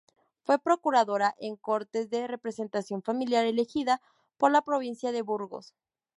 Fue Procuradora en Cortes de representación familiar elegida por la provincia de Burgos.